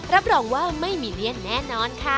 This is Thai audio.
รับรองว่าไม่มีเลี่ยนแน่นอนค่ะ